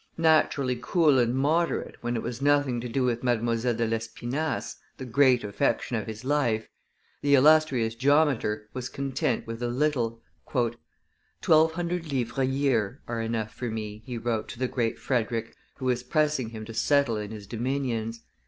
Naturally cool and moderate, when it was nothing to do with Mdlle. de Lespinasse, the great affection of his life, the illustrious geometer was content with a little. "Twelve hundred livres a year are enough for me," he wrote to the Great Frederick who was pressing him to settle in his dominions.